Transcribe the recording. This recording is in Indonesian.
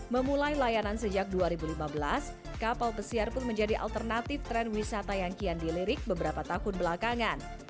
memulai layanan sejak dua ribu lima belas kapal pesiar pun menjadi alternatif tren wisata yang kian dilirik beberapa tahun belakangan